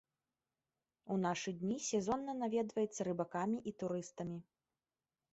У нашы дні сезонна наведваецца рыбакамі і турыстамі.